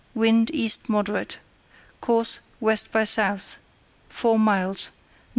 Wind East moderate. Course W. by S.; four miles; N.E.